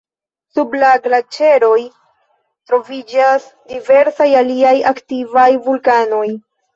Sub la glaĉeroj troviĝas diversaj aliaj aktivaj vulkanoj.